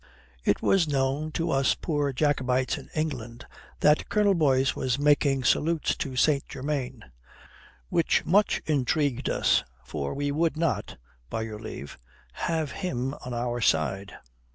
"It was known to us poor Jacobites in England that Colonel Boyce was making salutes to St. Germain. Which much intrigued us, for we would not, by your leave, have him of our side.